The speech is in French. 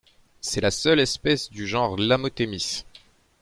C'est la seule espèce du genre Lamottemys.